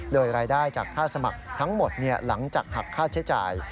โดยรายได้จากค่าสมัครทั้งหมดหลังจากหักค่าใช้จ่าย